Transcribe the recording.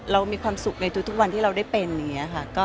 แล้วมีความสุขทุกวันที่เราได้เป็นเนี่ยค่ะ